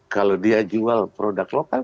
kalau dia jual produk lokal